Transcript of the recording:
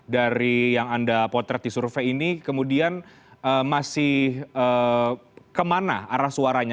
dari yang anda potret di survei ini kemudian masih kemana arah suaranya